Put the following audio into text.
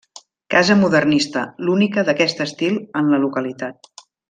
Casa modernista, l'única d'aquest estil en la localitat.